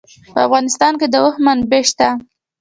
په افغانستان کې د اوښ منابع شته.